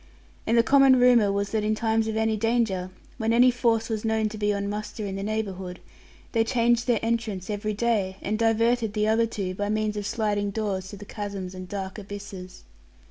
And the common rumour was that in times of any danger, when any force was known to be on muster in their neighbourhood, they changed their entrance every day, and diverted the other two, by means of sliding doors to the chasms and dark abysses.